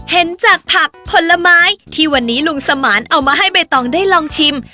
เห็นจากผักผลไม้ที่วันนี้ลุงสมานเอามาให้ใบตองได้ลองชิม